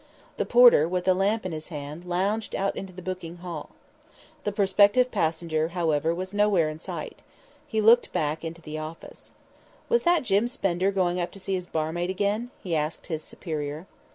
The porter, with the lamp in his hand, lounged out into the booking hall. The prospective passenger, however, was nowhere in sight. He looked back into the office. "Was that Jim Spender going up to see his barmaid again?" he asked his superior.